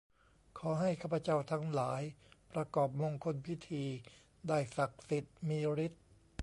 ขอให้ข้าพเจ้าทั้งหลาย ประกอบมงคลพิธี ได้ศักดิ์สิทธิ์มีฤทธิ์